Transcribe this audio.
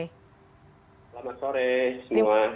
selamat sore semua